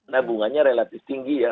nah bunganya relatif tinggi ya